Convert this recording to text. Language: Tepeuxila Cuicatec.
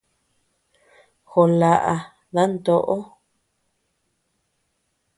Joo laʼa dantoʼo.